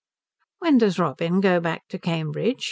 "When does Robin go back to Cambridge?"